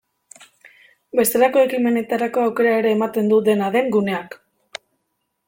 Bestelako ekimenetarako aukera ere ematen du, dena den, guneak.